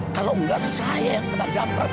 kalau nggak saya yang kena dapet mbak